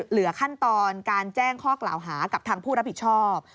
เหลือขั้นตอนการแจ้งข้อกล่าวหากับทางผู้รับผิดชอบ